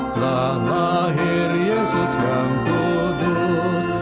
telah lahir yesus yang tulus